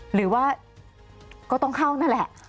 หรือว่าก็ต้องเข้านั่นแหละ